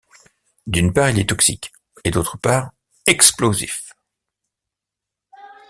D'une part il est toxique, et d'autre part explosif.